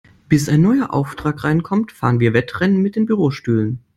Bis ein neuer Auftrag reinkommt, fahren wir Wettrennen mit den Bürostühlen.